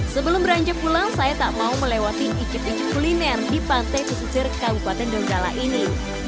sebelum beranjak pulang saya tak mau melewati icip icip kuliner di pantai pesisir kabupaten donggala ini